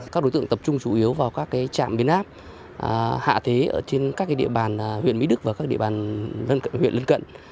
các đối tượng tập trung chủ yếu vào các trạm biến áp hạ thế trên các địa bàn huyện mỹ đức và các địa bàn huyện lân cận